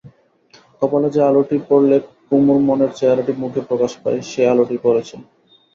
কপালে যে আলোটি পড়লে কুমুর মনের চেহারাটি মুখে প্রকাশ পায়, সেই আলোটিই পড়েছিল।